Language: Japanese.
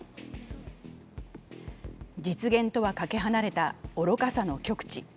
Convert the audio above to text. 実現とはかけ離れた愚かさの極地。